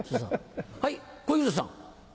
はい小遊三さん。